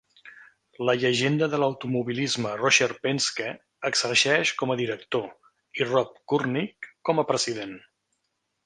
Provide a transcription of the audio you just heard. La llegenda de l'automobilisme Roger Penske exerceix com a director i Rob Kurnick com a president.